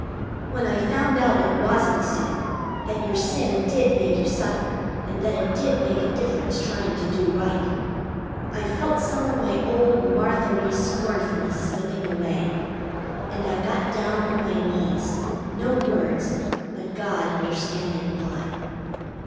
When I found out it wasn't so that your sin did make you suffer, and that it did make a difference trying to do right I felt some of my old Martha ry scornfulness slipping away. And I got down on my knees, no words, but God understanding why.